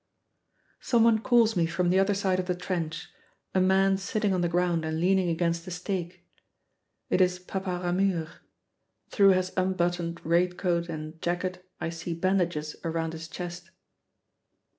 Some one calls me from the other side of the trench, a man sitting on the ground and leaning against a stake. It is Papa Ramure. Through his unbuttoned greatcoat and jacket I see bandages around his chest.